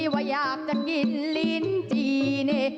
ว่าอยากจะกินลิ้นจีนี่